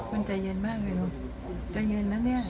มันใจเย็นมากเลยใจเย็นแล้วเนี่ย